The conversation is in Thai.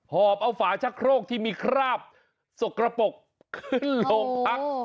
อบเอาฝาชะโครกที่มีคราบสกระปกขึ้นโรงพัก